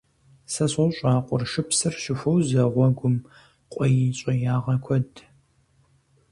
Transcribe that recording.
Сэ сощӀэ, а къуршыпсыр щыхуозэ гъуэгум къуейщӀеягъэ куэд.